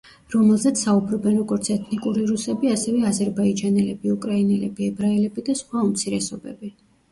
რომელზეც საუბრობენ როგორც ეთნიკური რუსები, ასევე აზერბაიჯანელები, უკრაინელები, ებრაელები და სხვა უმცირესობები.